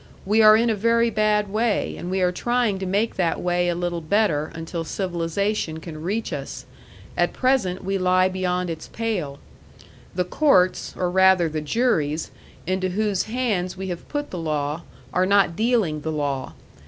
We are in a very bad way, and we are trying to make that way a little better until civilization can reach us. At present we lie beyond its pale. The courts, or rather the juries, into whose hands we have put the law, are not dealing the law.